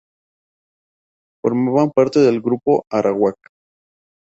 Formaban parte del grupo arawak.